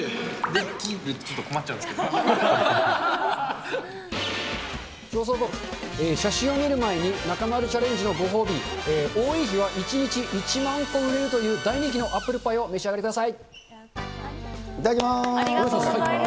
できるっていうと、調査報告、写真を見る前に中丸チャレンジのご褒美、多い日は１日１万個売れるという大人気のアップルパイをお召し上いただきます。